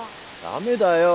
ダメだよ。